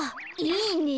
いいね。